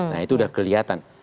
nah itu sudah kelihatan